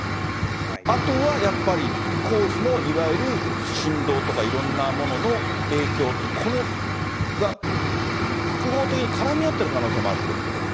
あとはやっぱり、工事のいわゆる振動とかいろんなものの影響って、これが複合的に絡み合ってる可能性もあるということですか。